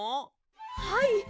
はい！